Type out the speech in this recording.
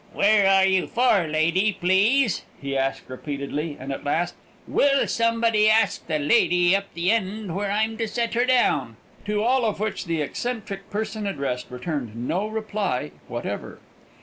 "Where are you for, lady, please?" he asked repeatedly, and at last, "Will somebody ask the lady up the end where I'm to set her down?" to all of which the eccentric person addressed returned no reply whatever.